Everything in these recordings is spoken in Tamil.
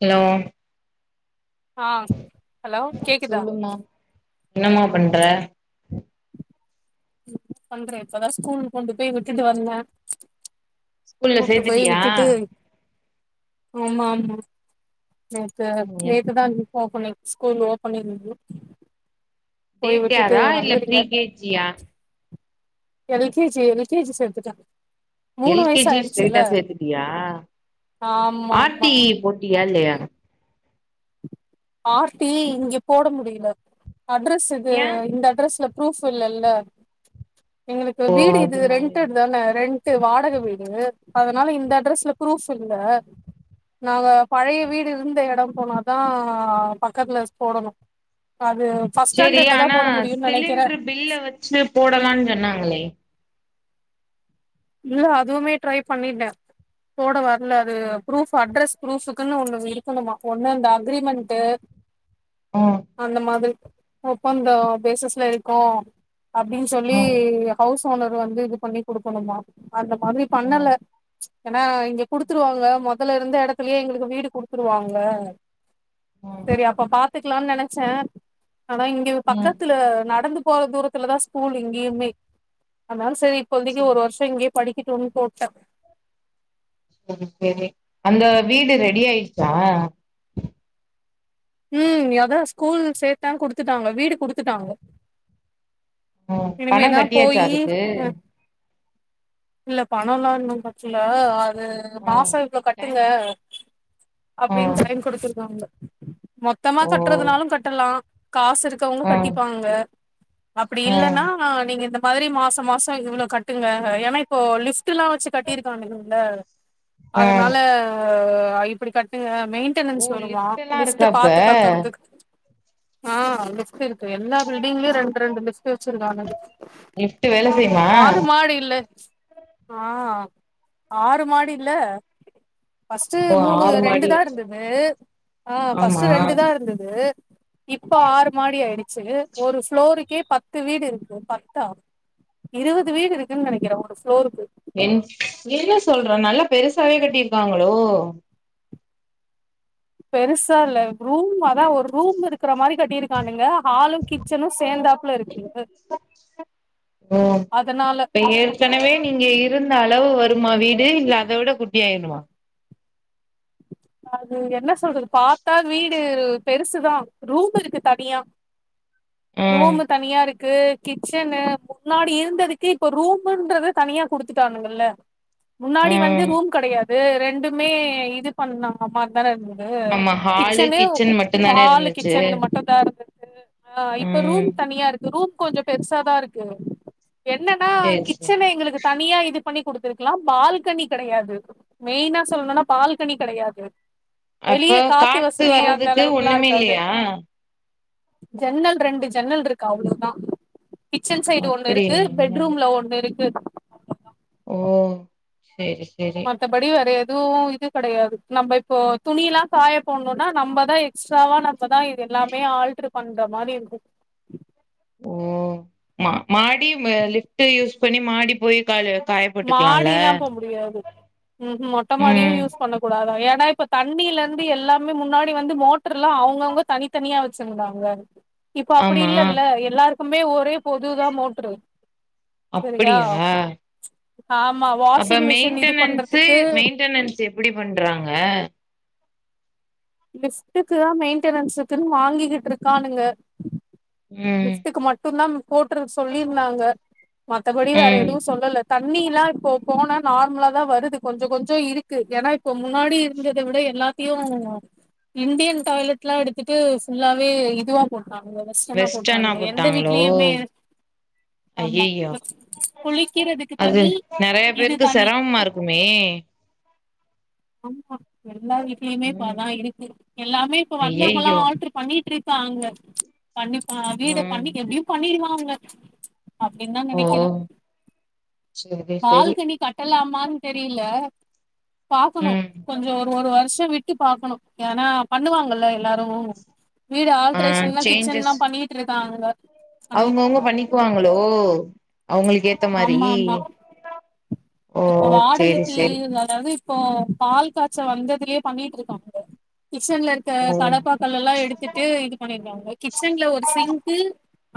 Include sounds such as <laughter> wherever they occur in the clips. ஹலோ அ ஹலோ கேக்குதா சொல்லுமா என்னமா பண்ற பண்றே இப்பதா ஸ்கூல் கொண்டு போய் விட்டுட்டு வந்தே ஸ்கூல்ல கூட்டு போய் சேத்துட்டியா விட்டுட்டு ஆமா ஆமா நேத்து நேத்துதா இன்ஃபாம் பண்ண ஸ்கூல் ஓப்பனிங்னு டே போய் விட்டுட்டு கேரா இல்ல ப்ரீ வந்துருக்கே கேஜியா எல்கேஜி எல்கேஜி சேத்துட்டே மூணு எல் கே வயஸ் ஜி ஸ்ட்றேய்டா சேத்துட்டியா ஆமா ஆமா ஆர்டிஇ போட்டியா இல்லயா ஆர்டீ இங்க போட முடியல அட்ரஸ் இது ஏ இந்த அட்ரஸ்ல ப்ரூஃப் இல்லல்ல எங்களுக்கு ஓ வீடு இது அதுனாலயா ரென்டட் தானே ரெண் டு வாடக வீடு அதனால இந்த அட்ரஸ்ல ப்ரூஃப் இல்ல நாங்க பழய வீடு இருந்த எடோ போனாதா பக்கத்துல ஸ் போடணு அது சேரி ஃபஸ்டாண்டட்ல தா ஆனா போட முடியுன் நெனைக்கற சிலிண்ட்ரு பில்ல வச்சு போடலான் சொன்னாங்களே இல்ல அதுமே ட்ரை பண்ணிட்ட போட வர்ல அது ப்ரூஃப் அட்ரஸ் ப்ரூஃபுக்குன்னு ஒண்ணு இருக்கணுமா ஒண்ணு இந்த அக்ரிமெண்ட்டு ம் அந்த மாதிரி ஒப்பந்தோ பேசஸ்ல இருக்கோ அப்டின் சொல்லி ம் ஹவ்ஸ் டு ஓனர் வந்து இது பண்ணி குடுக்கணுமா அந்த மாதிரி பண்ணல ம் ஏனா இங்க குடுத்துருவாங்க மொதல்ல இருந்த எடத்துலே எங்களுக்கு வீடு குடுத்துருவாங்க ம் சரி அப்ப பாத்துக்லான் நெனச்ச ஆனா இங்க ம் பக்கத்துல நடந்து போற தூரத்துல தா ஸ்கூல் இங்கியுமே அதனால சரி இப்போதிக்கு சேரி ஒரு வர்ஷ் இங்கயே படிக்கட்டுன்னு போட்ட ம் ம் செரி அந்த வீடு ரெடி ஆய்டுச்சா ம் எதா ஸ்கூல் சேத்த குடுத்துட்டாங்க வீடு குடுத்துட்டாங்க ம் பணம் இனிமேதா கட்டியாச்சா போயி அதுக்கு ம் இல்ல பனொல்லா இன்னு கட்ல அ அ ம் மாசோ இவ்ளோ டைம் கட்டுங்க அப்டின் ம் சைன் குடுத்துருக்காங்க மொத்தமா ஓ கட்றதுனாலு கட்டலா காசு இருக்கவங்க ம் கட்டிப்பாங்க அப்டி ம் இல்லன்னா நீங்க இந்த மதிரி மாசோ மாசோ இவ்ளோ கட்டுங்க ஏன்னா இப்போ லிஃப்ட்டுல்லா வச்சு கட்டிருக்காங்கள ம் அதனால அ இப்படி கட்டுங்க ஓ மெயின்டெனன்ஸ் வருமா எல்லா லிஃப்ட் இருக்கா அப்ப பாத்து காக்கறதுக்கு ஆ லிஃப்ட் இருக்கு எல்லா பில்டிங்லயு ரெண்டு ரெண்டு லிஃப்ட் வச்சிருக்காங்க லிஃப்ட் வேல செய்யுமா ஆறு மாடி இல்ல அ ஆறு மாடில்ல ஃபஸ்ட்டு ஓ மூணு ஆறு ரெண்டு மாடி தா வச்சு இருந்துது அ ஆமா ஃபஸ்ட்டு ரெண்டு தா இருந்துது இப்ப ஆறு மாடி ஆய்டுச்சு ஒரு ஃப்ளோருக்கே பத்து வீடு இருக்கு பத்தா இருவது வீடு இருக்குன் நெனைக்கற ஒரு ஃப் என் என்ன சொல்ற நல்லா பெருசாவே கட்டிருக்காங்களோ பெருசால்ல ரூம் அதா ஒரு ரூம் இருக்குற மாரி கட்டிருக்கானுங்க ஹாலு கிச்சனு சேந்தாப்ல இருக்குங்க ஓ ப்ப ஏற்கனவே நீங்க இரு அளவு வருமா வீடு இல்ல அத விட குட்டியா யேனுமா அது என்ன சொல்றது பாத்தா வீடு பெருசுதா ரூம் இருக்கு தனியா ம் ரூம்மு தனியா இருக் கு கிச்சன்னு முன்னாடி இருந்ததுக்கு இப்ப ரூம்ன்றது தனியா குடுத்துட்டானுங்கல்ல முன்னாடி வந்து ம் ரூம் கடயாது ரெண்டுமே இது பண்ண மா மாரி தான இருக்கு அ ஆமா ஹாலு கிச்சன்னு ஒ கிச்சன் மட்டுந்தானே ஹால்லு இருந்துச்சு கிச்சன் மட்டு தா இருந்தது ஆ இப்ப ம் ரூம் தனியா இருக்கு ரூம் கொஞ்சோ பெருசாதா இருக்கு என்னன்னா சேரி சேரி கிச்சன எங்களுக்கு தனியா இது பண்ணி குடுத்துருக்கலா பால்கனி கெடையாது மெயினா சொல்ணுன்னா பால்கனி கெடையாது வெளிய அப்ப காத்து வசதி அந்த வர்றதுக்கு அளவுக்குல்லா ஒண்ணுமே இருக்காது இல்லையா ஜன்னல் ரெண்டு ஜன்னல் இருக்கு அவ்ளோதா கிச்சன் சைடு ஒண்ணு இருக்கு அப்படியா பெட்ரூம்ல ஒண்ணு இருக்கு ஒ மத்த படி வேற எ துவு இது கடையாது நம்ப இப்போ துணியில்லா காய போடணுன்னா நம்பதா எக்ஸ்ட்ராவா நம்பதா இது எல்லாமே ஆல்ட்ரு பண்ற மாதிரி இருக்கு ஓ மா மாடி ம லிஃப்ட்டு யூஸ் பண்ணி மாடி போய் காளு காயப்போட்டுக்கலால்ல மாடில்லா போ முடியாது ம் ஹ்ம் மொட்ட மாடியு யூஸ் பண்ணக் கூடாதா ஏ ன்னா இப்ப தண்ணியிலருந்து எல்லாமே முன்னாடி வந்து மோட்ருல்லா அவுங்கவுங்க தனித்தனியா வச்சிருந்தாங்க இப்போ அப்டி ஆமா இல்லல்ல எல்லாருக்குமே ஒரே பொதூதா மோட்ரு சரியா அப்படியா ஆமா அப்ப வாஷிங் மிஷின் இது மெயின்டனன்ஸு பண்றதுக்கு மெயின்டனன்ஸ் எப்டி பண்றாங்க லிஃப்ட்டுக்குதா மெயின்டனன்ஸு <unintelligible> வாங்கிக்கிட்ருக்கானுங்க ம் லிஃப்டுக்கு மட்டுந்தா கூட்றக் சொல்லியிருந்தாங்க மத்தப்படி வேற ம் எதுவு சொல்லல தண்ணியில்லா இப்போ போன நார்ம்லாதா வருது கொஞ்சக் கொஞ்சொ இருக்கு ஏன்னா இப்ப முன்னாடி இருந்தத விட இ எல்லாத்தையு இண்டியன் டாய்லெட்லா எடுத்துட்டு ஃபுல்லாவே இதுவா போட் அவுங்க <unintelligible> டனா போட்டாங்களோ ஆமா ஐயையோ குளிக்கிறதுக்கு அது தனி நறைய இது பேருக்கு தனி செரமமா இருக்குமே எ ஆமா எல்லா வீட்லைமே இப்ப ம் அதா இருக்கு எல்லாமே இப்ப வந்தவங்கல்லா ஐயையோ ஆல்ட்ரு பண்ணியிட்ருக் காங்க கண்டிப்பா வீடு ம் பண்ணி எப்டியு பண்ணிடுவாங்க அப்டின்தா ஓ நெனக்கிற சேரி சேரி பால்கனி கட்டலாமான் தெரியில பாக்கணு ம் கொஞ்சொ ஒரு ஒரு வர்ஷொ விட்டு பாக்கணு ஏன்னா பண்ணுவாங்கல்ல எல்லாரு வீடு ஆ ஆல்ட்ரேஷன்லா கிச்சன்லா சேஞ்சஸ் பண்ணிட்யிட்ருக்காங்க அவுங்கவுங்க பண்ணிக்குவாங்களோ அவுங்களுக்கேத்த மாரி ஆமா ஆமா ஓ இப்ப சேரி வாடைகைத்தீ சேரி அதாவ்து இப்போ பால் காச்ச வந்ததுலே பண்ணிட்யிட்ருக்காங்க கிச்சன்ல இருக்க ஓ கடப்பா கல்லல்லா எடுத்துட்டு இது பண்ணிருவாங்க கிச்சன்ல ஒரு சிங்க்கு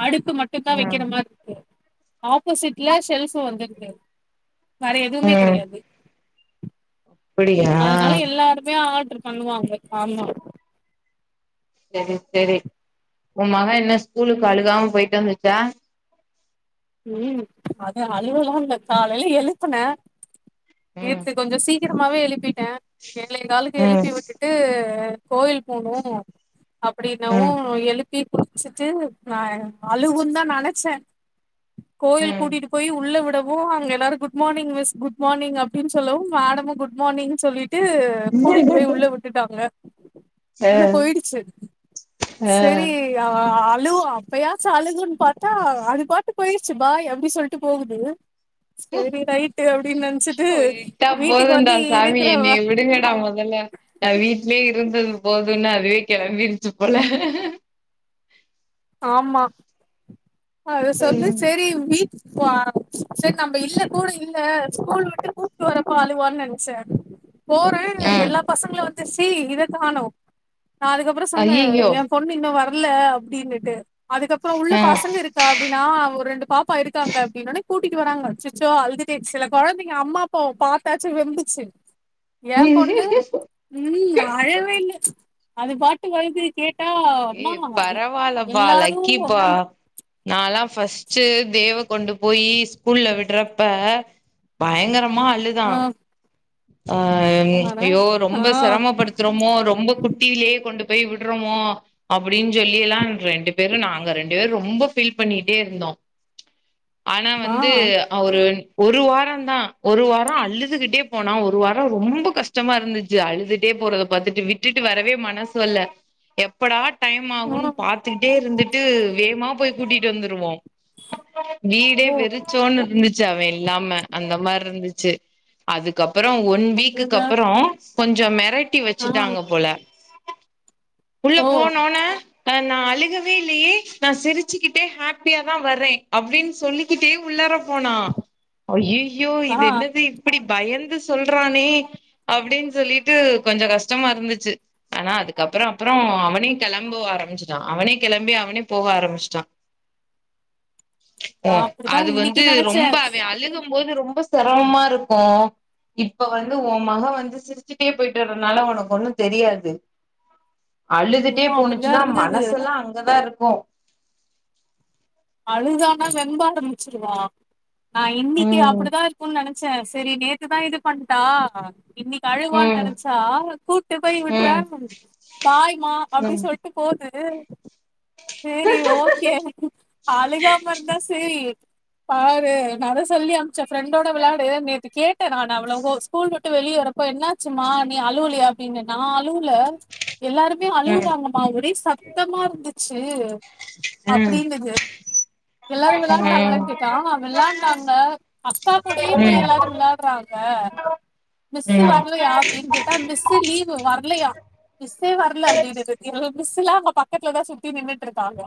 அடுப்பு மட்டுந்தா ம் வெக்கிற மாற்ருக்கு ஆப்போசிட்ல ஷெல்ஃபு வந்துருது வேற எதுவுமே ம் கடையாது அப்டியா அதனால எல்லாருமே ஆல் ட்ரு பண்ணுவாங்க ஆமா செரி செரி உ மக என்ன ஸ்கூலுக்க் அழுகாம போய்ட்டு வந்துச்சா ம் அது அழவலா இல்ல காலைல எழுப்புன ம் நேத்து கொஞ்சொ சீக்கிரமாவே எழுப்பிட்ட ஏழே காலுக்கு ம் எழுப்பி விட்டுட்டு கோயில் போணு அப்டின்னவு ம் எழுப்பி குளிச்சிட்டு அழுவுன்தா நெனச்ச கோயில் ம் கூட்டிட்டு போய் உள்ள விடம் போ அங்க எல்லாரு குட் மானிங் மிஸ் குட் மானிங் அப்டின் சொல்லவு மேடமு குட் மானிங் சொல்லி ட்டு கூட்டியிட் போய் உள்ள விட்டுட்டாங்க அ உள்ள போயிடுச்சி அ செரி அவ ஆ ழுவு அப்பையாச்சு அழுகுன் பாத்தா அது பாட்டுக் போய்ர்ச்சி பாய் அப்டி சொல்ட்டு போகுது சேரி ரைட்டு அப்டின் நெனச்சிட்டு விட்டா வீட்டுக்கு வந்து இருக்குறவ லா நா வீட்லயே இ ருந்தது போதுன்னு அதுவே கெளம்பிருச்சு போல ஆமா அத சொல்லு ம் சேரி வீட்டுக் வா சேரி நம்ப இல்ல கூட இல்ல ஸ்கூல் விட்டு கூட்னு வரப்போ அழுவான் நெனச்ச போர எல்லா பசங்களு வந்த்ரிச்சி இதக் காணு நா அதுக்கப்னொ சொன்ன அய்யய்யோ ஏ பொண்ணு இன்னு வர்ல அப்டினுட்டு அதுக்கப்றொ உள்ள அ பசங்க இருக்கா அப்டின்னா ஒரு ரெண்டு பாப்பா இருக்காங்க அப்டின்ன ஒன்னே கூட்டிட்டு வராங்க அச்சச்சோ அழ்துட்டே செல கொழந்தைங்க அம்மா அப்பாவ பாத்தாச்சி வெம்பி செரி ஏம் பொண்ணு ம் அழவே இல்லே அதுப் பாட்டு வருது கேட் ஏ பரவால்லப்பா லக்கிப்பா நா ஃபஸ்ட்டு தேவ்வ கொண்டு போயி ஸ்கூல்ல விட்றப்ப பயங்கரம் மா அழுதா ஆ ஆ ம் ஐயோ ரொம்ப ஆ செரமப் படுத்துறோமோ ரொம்ப குட்டியிலேயே கொண்டு போய் விட்றோமோ அப்டின் சொல்லில்லா ரெண்டு பேரு நாங்க ரெண்டு பேரு ரொம்போ ஃபீல் பண்ணிட்டே இருந்தோ ஆனா ஆ வந்து அவுரு ஒரு வாரோ தா ஒரு வாரோ அழுதுகிட்டே போனா ஒரு வாரோ ரொம்ப கஷ்டமா இருந்துச்சு அழுதுட்டே போறத பாத்துட்டு விட்டுட்டு வரவே மனசு வல்ல எப்படா டைம் ஆகுன் ஆ பாத்துக்கிட்டே இருந்துட்டு வேமா போய் கூட்டிட்டு வந்துருவோ வீடே ஓ வெறிச்சோன் இருந்துச்சு அவே இல்லாம அந்த மார்ருந்துச்சு அதுக்கப்பறோ ஒன் வீக்குக்கு அவ்ளோதா அப்பறோ கொஞ்சோ மெரட்டி ஆ வச்சுட்டாங்க போல உள்ள ஓ போனோன க நா அழுகவே இல்லயே நா சிரிச்சுக்கிட்டே ஹாப்பியா தா வர்றே அப்டின் சொல்லிக்கிட்டே உள்ளாற போனா ஐய்யய்யோ ஆ இது என்னது இப்டி பயந்து சொல்றானே அப்டின் சொல்லிட்டு கொஞ்சோ கஷ்டமாருந்துச்சு ஆனா அதுக்க அப்பறோ அப்பறோ அவனே கெளம்போ ஆரம்பிச்சுட்டா அவனே கெளம்பி அவனே போக ஆரம்பிச்ட்டா ஏ நா அப்டிதா அது இன்னைக்கு வந்து நெனச்சே ரொம்ப அவே அழுகு போது ரொம்ப செரமமாருக்கு இப்ப வந்து ஒ மக வந்து சிரிச்சுட்டே போய்ட்டு வரனால ஒனக்கொண்ணு தெரியாது அழுதுட்டே சும்மா அப்டிதா போணுச்சுனா இருந்தது மனசெல்லா அங்கதாருக்கு அழுதானா வெம்ப ஆரம்பிச்சிருவா நா இன்னிக்கி ம் அப்டி தா இருக்குன் நென ச சேரி நேத்து தா இது பண்ட்டா இன்னிக்கு அழுவான் ம் நெனச்சா கூட்டு போய் விட்றே ம் ம் பாய் மா அப்டி ம் சொல்ட்டு போது சேரி ஓகே அழுகாம இருந்தா சேரி பாரு நா தா சொல்லி அம்ச்சே ஃப்ரெண்டோட வெளாடு நேத்து கே ட்ட நான் அவ்ளோ ஹோ ஸ்கூல் விட்டு வெளியே வரப்ப என்னாச்சு மா நீ அழுவுலயா அப்டின்னு நா அழுவுல எல்லாருமே ம் அழுவுறாங்கம்மா ஒரே சத்தமாருந்துச்சு அப்டினுது எல்லாரு ம் வெளாண்டாங்ளான் கேட்டா வெளாண்டாங்க அக்கா கூடயே ம் போய் எல்லாரு வெளாட்றாங்க அ மிஸ்ஸு ம் வர்லயா அப்டின் கேட்டா மிஸ்ஸு லீவு வர்லயா மிஸ்ஸே வர்ல அப்டினுது இவ்ள் மிஸ்ஸுல்லா இவுங்க பக்கத்லதா சுத்தி நின்னுட்ருக்காங்க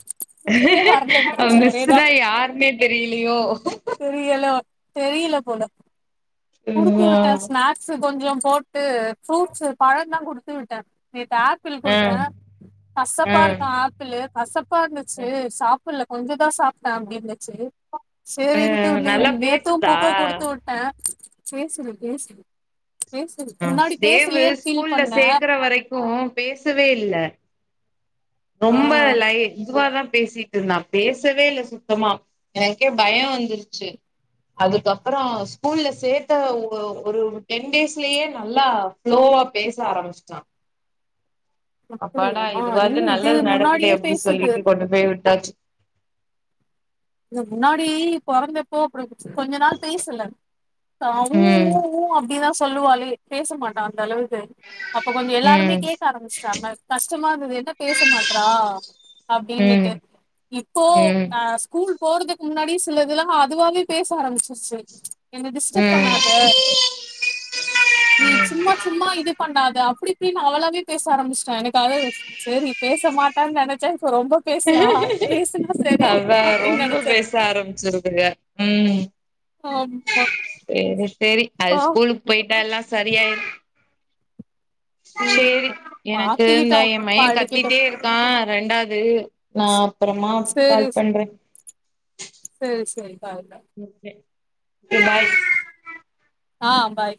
அவ மிஸ்ஸுனா யாருனே தெரிலியோ தெரில போல குடுத்து வுட்ட ம் ஸ்நாக்ஸு கொஞ்சம் போட்டு ஃப்ரூட்ஸ்ஸு பழோ தா குடுத்து விட்டே நேத்து ஆப்பிள் குடுத்தே ம் ம் ம் கசப்பாருக்கா ஆப்பிளு கசப்பாருந்துச்சு சா கொஞ்சொ தா சாப்ட்டே அப்டினுச்சு சேரின்ட்டு நீ நல்லா நேத்து பேசுதா புக்க குடுத்து வுட்டே பேசுறே பேசுது பேசு முன்னாடி தேவு பேசலயேன் ஃபீல் ஸ்கூல்ல பண்ணே சேக்கற வரைக்கு பேசவே இல்ல ஆ ரொம்ப லை இதுவா தா பேசிட்ருந்தா பேசவே இல்ல சுத்தமா எனக்கே பயோ வந்துருச்சு அதுக்கப்பறோ ஸ்கூல்ல சேத்த ஓ ஒரு டென் டேஸ் லையே நல்லா ஃப்ளோவா பேச ஆரம்பிச்ட்டா அப்பாடா அப்டியா இல்ல இதுவாது இது நல்லது நடக்குதே முன்னாடியே அப்டின் பேசுது சொல்லிட்டு கொண்டு போய் விட்டாச்சு இல்ல முன்னாடி பொறந்தப்போ அப்டி கொஞ்ச நாள் பேசல தா ஊ ம் ஊ ஊ அப்டி தா சொல்லுவாலே பேசமாட்டா அந்தளவு அப்ப கொஞ்சோ எல்லாருமே ம் கேக்க ஆரம்பிச்டாங்க கஷ்டமாருந்தது என்ன பேச மாட்றா ம் அப்டின்னுட்டு இப்போ ம் ஆ ஸ் கூல் போறதுக்கு முன்னாடி சிலதுலா அதுவாவே பேச ஆரம்பிச்சுருச்சு என்ன டிஸ்டர்ப் ம் பண்ணாத நீ சும்மா சும்மா இது பண்ணா த அப்டி இப்டின் அவளாவே பேச ஆரம்பிச்ட்டா எனக்கா சேரி பேச மாட்டான் நெனச்சே ப்ப ரொம்ப பேசுறா பேசுனா செரி ஆ ரொம்ப பேச ஆரம்பிச்சிருதுக ம் ஆமாப்பா சேரி சேரி அது ஸ்கூலுக்கு போயிட்டா எல்லாம் சரியாயிரும் ம் சேரி எனக்கு இந்த மாட்டிக்கிட்டோ என் மக மாட்டிக்கிட்டோ கத்திட்டே இருக்கான் ரெண்டாவது நா அப்புறமா சேரி கால் பண்றேன் சேரி சேரி பாருங்க ஓகே சேரி பாய் ஆஹ் பாய்